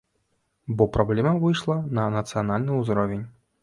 Бо праблема выйшла на нацыянальны ўзровень.